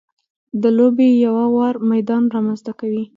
د لوبې یو ه وار میدان رامنځته کوي.